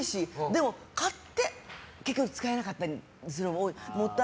でも、買って結局使えなかったりするものも多い。